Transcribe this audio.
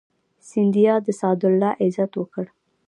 سیندیا د سعد الله عزت وکړ.